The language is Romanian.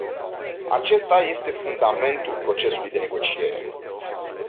Acesta este fundamentul procesului de negociere.